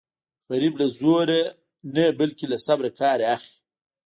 غریب له زوره نه بلکې له صبره کار اخلي